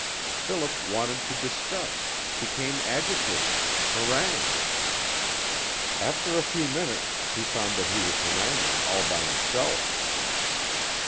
Philip wanted to discuss, became agitated, harangued. After a few minutes he found that he was haranguing all by himself.